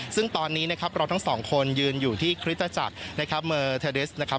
ซึ่งตอนนี้นะครับเราทั้งสองคนยืนอยู่ที่คริสตจักรนะครับเมอร์เทอร์ดิสนะครับ